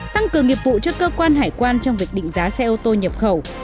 tăng cường nghiệp vụ cho cơ quan hải quan trong việc định giá xe ô tô nhập khẩu